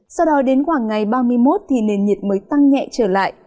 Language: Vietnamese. sau đó đến khoảng ngày ba mươi một thì nền nhiệt mới tăng nhẹ trở lại